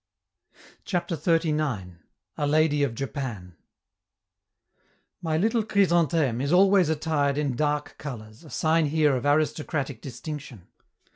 CHAPTER XXXIX. A LADY OF JAPAN My little Chrysantheme is always attired in dark colors, a sign here of aristocratic distinction.